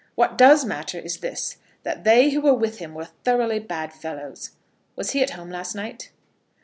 What does matter is this; that they who were with him were thoroughly bad fellows. Was he at home last night?"